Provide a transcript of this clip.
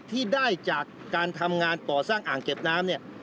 ที่ได้จากการทำงานก่อสร้างอ่างเก็บน้ำเนี่ย